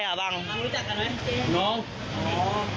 หนูรู้จักกันไหม